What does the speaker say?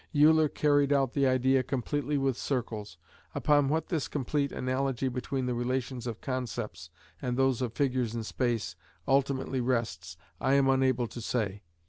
Euler carried out the idea completely with circles. Upon what this complete analogy between the relations of concepts, and those of figures in space, ultimately rests, I am unable to say.